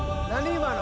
今の。